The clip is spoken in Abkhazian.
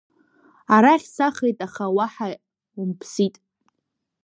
Арахь сахеит, аха уаҳа умԥсит.